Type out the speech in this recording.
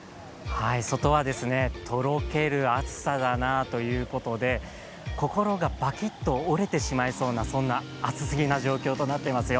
外はとろける暑さだなということで、心がバキッと折れてしまいそうな、そんな暑すぎの気温となっていますよ。